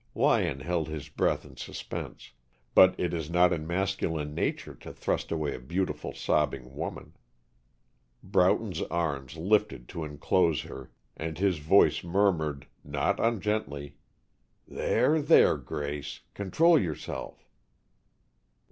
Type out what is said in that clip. Lyon held his breath in suspense, but it is not in masculine nature to thrust away a beautiful sobbing woman. Broughton's arms lifted to enclose her, and his voice murmured, not ungently: "There, there, Grace! Control yourself!"